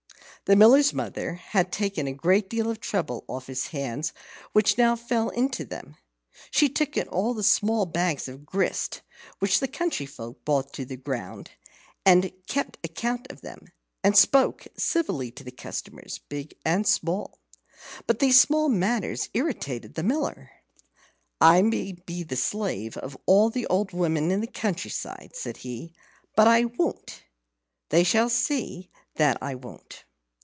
The Miller's mother had taken a great deal of trouble off his hands which now fell into them. She took in all the small bags of grist which the country folk brought to be ground, and kept account of them, and spoke civilly to the customers, big and little. But these small matters irritated the Miller. "I may be the slave of all the old women in the country side," said he; "but I won't they shall see that I won't."